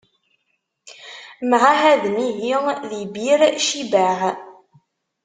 Mɛahaden ihi di Bir Cibaɛ.